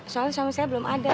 soalnya sama saya belum ada